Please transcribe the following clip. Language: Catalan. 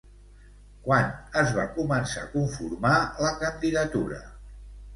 Quan es va començar a conformar la candidatura?